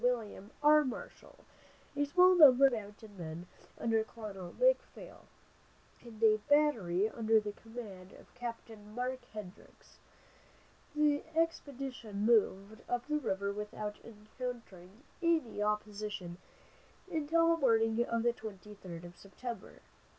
William R. Marshall, a small number of mounted men under Colonel McPhail, and a battery under the command of Capt. Mark Hendricks. The expedition moved up the river without encountering any opposition until the morning of the twenty third of September.